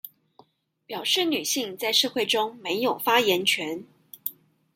表示女性在社會中沒有發言權